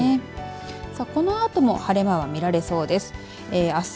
さあ、このあとも晴れ間が見られそうです。